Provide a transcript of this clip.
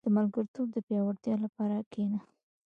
• د ملګرتوب د پياوړتیا لپاره کښېنه.